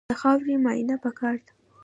د خاورې معاینه پکار ده.